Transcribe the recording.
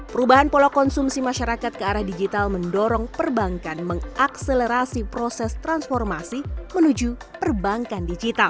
perubahan pola konsumsi masyarakat ke arah digital mendorong perbankan mengakselerasi proses transformasi menuju perbankan digital